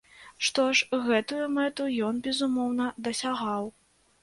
Што ж, гэтую мэту ён, безумоўна, дасягаў.